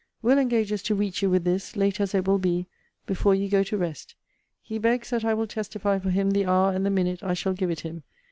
Will. engages to reach you with this (late as it will be) before you go to rest. He begs that I will testify for him the hour and the minute I shall give it him.